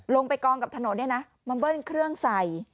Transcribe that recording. ลงไปกองกับถนนมันเบิ้ลเครื่องใส